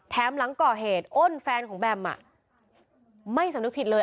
หลังก่อเหตุอ้นแฟนของแบมไม่สำนึกผิดเลย